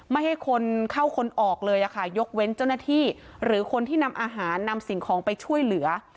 ไม่ให้คนเข้าคนออกเลยค่ะยกเว้นเจ้าหน้าที่หรือคนที่นำอาหารนำสิ่งของไปช่วยเหลือ